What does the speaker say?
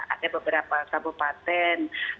ada beberapa kabupaten